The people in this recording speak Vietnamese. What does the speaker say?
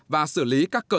và xử lý các cơ sở